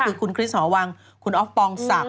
คือคุณคริสหอวังคุณอ๊อฟปองศักดิ